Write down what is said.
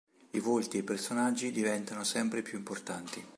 I volti e i personaggi diventano sempre più importanti.